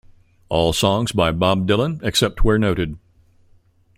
All songs by Bob Dylan, except where noted.